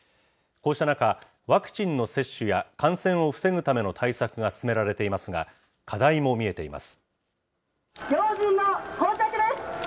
こうした中、ワクチンの接種や感染を防ぐための対策が進められていますが、課題も見えています。